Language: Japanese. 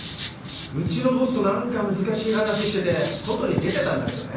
うちのボスとなんか難しい話してて外に出てたんだけどね。